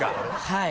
はい。